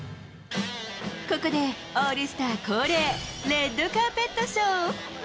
ここでオールスター恒例、レッドカーペットショー。